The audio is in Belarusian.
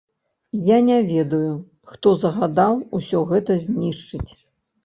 Я не ведаю, хто загадаў усё гэта знішчыць.